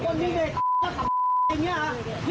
ตอนแรกเค้าจะจอดรถซื้อสินใจกันที